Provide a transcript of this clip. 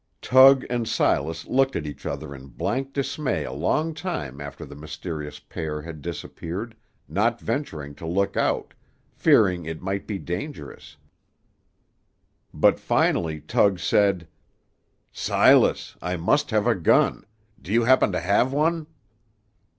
Tug and Silas looked at each other in blank dismay a long time after the mysterious pair had disappeared, not venturing to look out, fearing it might be dangerous; but finally Tug said, "Silas, I must have a gun. Do you happen to have one?"